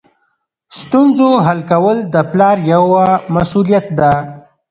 ستونزو حل کول د پلار یوه مسؤلیت ده.